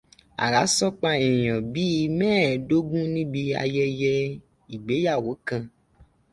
Àrá sán pa èèyàn bíi mẹ́ẹ̀ẹ́dọ́gún níbi ayẹyẹ ìgbéyàwó kan.